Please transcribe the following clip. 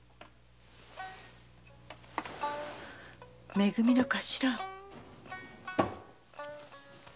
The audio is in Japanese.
「め組」の頭？